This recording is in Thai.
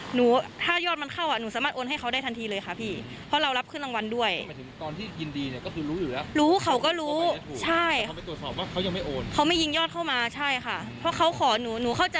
หนูจะมาตรวจอีกทีคือหลังห้าโมงหลังเวลางานของหนูอะค่ะ